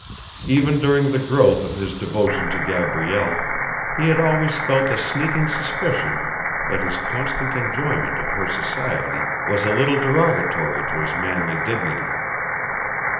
Even during the growth of his devotion to Gabrielle he had always felt a sneaking suspicion that his constant enjoyment of her society was a little derogatory to his manly dignity.